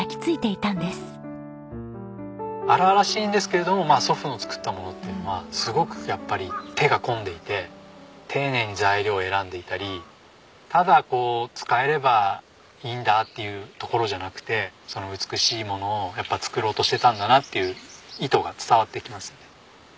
荒々しいんですけれども祖父の作ったものっていうのはすごくやっぱり手が込んでいて丁寧に材料を選んでいたりただ使えればいいんだっていうところじゃなくて美しいものを作ろうとしてたんだなっていう意図が伝わってきますよね。